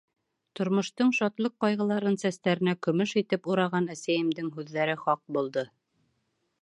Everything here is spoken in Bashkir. Тормоштоң шатлыҡ-ҡайғыларын сәстәренә көмөш итеп ураған әсәйемдең һүҙҙәре хаҡ булды.